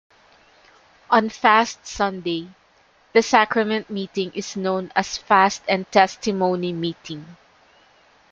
On Fast Sunday, the sacrament meeting is known as fast and testimony meeting.